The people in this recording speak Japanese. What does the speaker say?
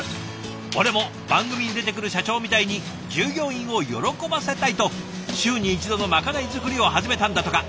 「俺も番組に出てくる社長みたいに従業員を喜ばせたい」と週に１度のまかない作りを始めたんだとか。